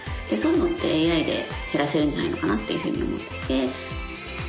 そういうのってＡＩで減らせるんじゃないのかなっていうふうに思ってて。